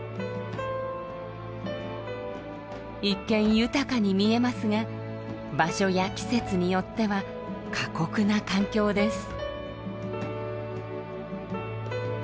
一見豊かに見えますが場所や季節によっては過酷な環境です。